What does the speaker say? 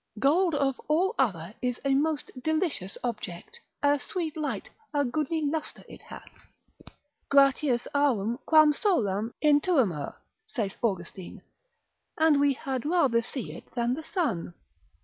Gold of all other is a most delicious object; a sweet light, a goodly lustre it hath; gratius aurum quam solem intuemur, saith Austin, and we had rather see it than the sun.